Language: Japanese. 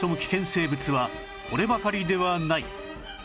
生物はこればかりではない